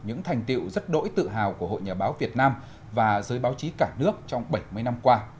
những thành tiệu rất đỗi tự hào của hội nhà báo việt nam và giới báo chí cả nước trong bảy mươi năm qua